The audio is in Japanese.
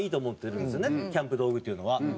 キャンプ道具っていうのは。